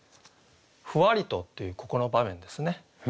「ふわりと」というここの場面ですね。